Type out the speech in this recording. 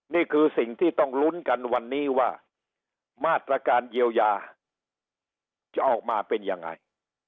นี่คือสิ่งที่ต้องลุ้นกันวันนี้ว่ามาตรการเยียวยาจะออกมาเป็นยังไง